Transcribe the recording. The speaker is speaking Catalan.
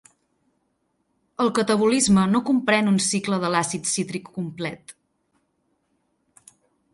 El catabolisme no comprèn un cicle de l'àcid cítric complet.